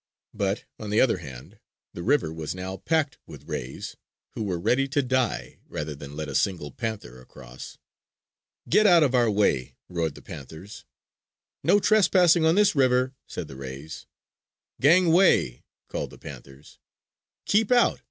But, on the other hand, the river was now packed with rays, who were ready to die, rather than let a single panther across. "Get out of our way!" roared the panthers. "No trespassing on this river!" said the rays. "Gangway!" called the panthers. "Keep out!"